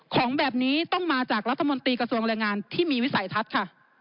ของแบบนี้ต้องมาจากรัฐมนตรีกระทรวงแรงงานที่มีวิสัยทัศน์ค่ะ